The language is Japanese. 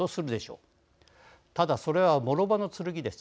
ただそれはもろ刃の剣です。